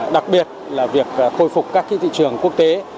đặc biệt là việc khôi phục các thị trường quốc tế